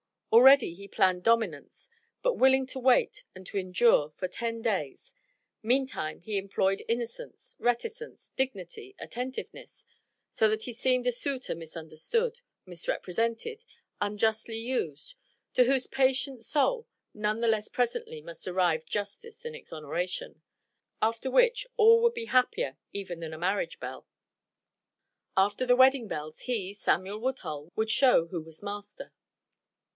Already he planned dominance; but willing to wait and to endure for ten days, meantime he employed innocence, reticence, dignity, attentiveness, so that he seemed a suitor misunderstood, misrepresented, unjustly used to whose patient soul none the less presently must arrive justice and exoneration, after which all would be happier even than a marriage bell. After the wedding bells he, Samuel Woodhull, would show who was master.